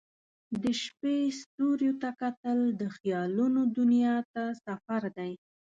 د شپې ستوریو ته کتل د خیالونو دنیا ته سفر دی.